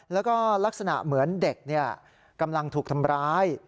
แล้วก็ลักษณะเหมือนเด็กกำลังถูกทำร้าย